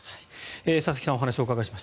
佐々木さんにお話をお伺いしました。